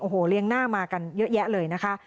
โอ้โหเลี้ยงหน้ามากันเยอะแยะเลยนะคะ